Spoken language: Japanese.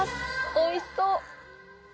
おいしそ！